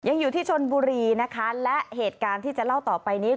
อยู่ที่ชนบุรีนะคะและเหตุการณ์ที่จะเล่าต่อไปนี้